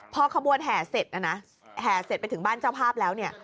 พอขบวนแห่เสร็จนะนะแห่เสร็จไปถึงบ้านเจ้าภาพแล้วเนี่ย